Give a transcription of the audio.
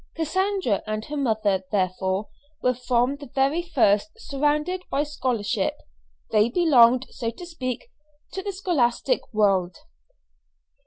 Cassandra and her mother, therefore, were from the very first surrounded by scholarship; they belonged, so to speak, to the scholastic world.